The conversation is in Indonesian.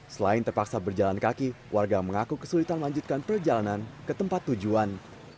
selain terpaksa berjalan kaki warga mengaku kesulitan melanjutkan perjalanan ke tempat tujuan